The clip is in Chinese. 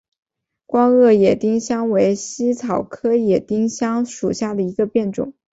光萼野丁香为茜草科野丁香属下的一个变种。